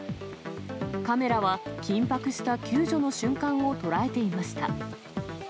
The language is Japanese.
カメラは緊迫した救助の瞬間を捉えていました。